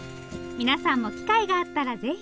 皆さんも機会があったらぜひ！